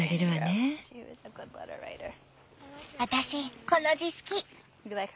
私この字好き。